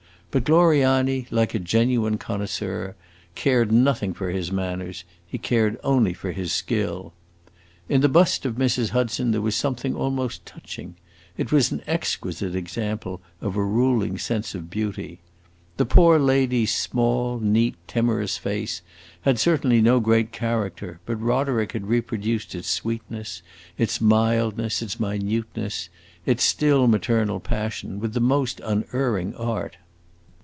But Gloriani, like a genuine connoisseur, cared nothing for his manners; he cared only for his skill. In the bust of Mrs. Hudson there was something almost touching; it was an exquisite example of a ruling sense of beauty. The poor lady's small, neat, timorous face had certainly no great character, but Roderick had reproduced its sweetness, its mildness, its minuteness, its still maternal passion, with the most unerring art.